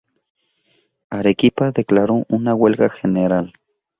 Arequipa declaró una huelga general.